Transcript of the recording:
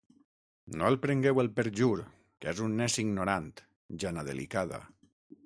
No el prengueu el perjur, que és un neci ignorant, Jana delicada.